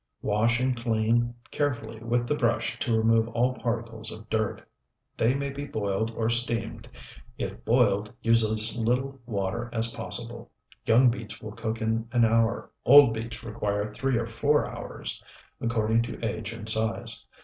Wash and clean carefully with the brush to remove all particles of dirt. They may be boiled or steamed. If boiled, use as little water as possible. Young beets will cook in an hour; old beets require three or four hours, according to age and size.